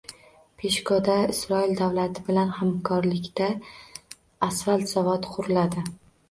Peshko‘da Isroil davlati bilan hamkorlikda asfalt zavodi quriladi